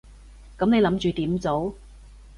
噉你諗住點做？